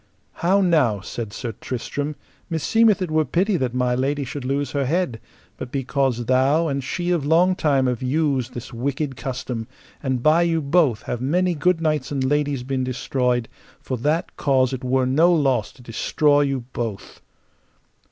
How now, said Sir Tristram, meseemeth it were pity that my lady should lose her head, but because thou and she of long time have used this wicked custom, and by you both have many good knights and ladies been destroyed, for that cause it were no loss to destroy you both.